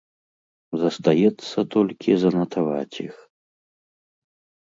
Застаецца толькі занатаваць іх.